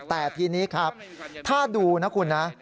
แต่ทีนี้ครับถ้าดูนะคุณนะ